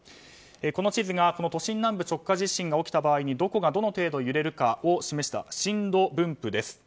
この地図が都心南部直下地震が起きた場合にどこがどの程度揺れるかを示した震度分布です。